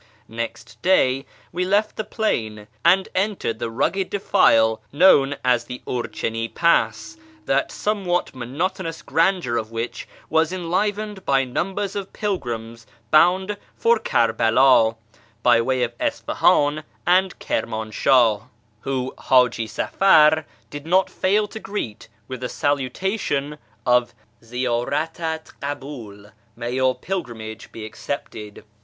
Next day we left the plain, and entered the rugged defile known as the Urchini Pass, the somewhat monotonous grandeur of which was enlivened by numbers of pilgrims bound for Kerbehi, by way of Isfahan and Ivirmunshiih, whom 7 yi:AR AMONGST THE PERSIANS Hajf Safar did not fail to greet with a salutation of " Ziydratat hxhul !"(" IMay your pilgrimage be accepted